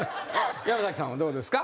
山さんはどうですか？